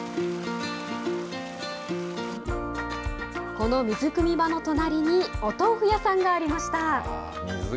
この水くみ場の隣にお豆腐屋さんがありました。